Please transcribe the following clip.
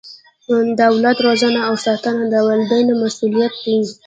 د اولاد روزنه او ساتنه د والدینو مسؤلیت دی.